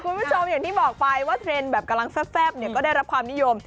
คุณผู้ชมอย่างที่บอกไปว่าเทรนด์แบบกำลังแซ่บเนี่ยก็ได้รับความนิยม